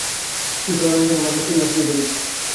শিপটা বানানোর জন্য মাত্র তিন মাস পেয়েছি হাতে।